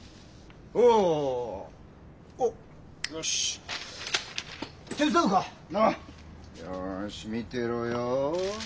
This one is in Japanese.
よし見てろよ。